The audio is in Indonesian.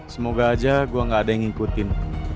semoga aja gue gak ada yang ngikutin